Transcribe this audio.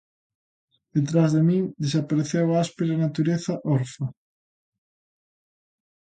Detrás de min desapareceu a áspera natureza orfa.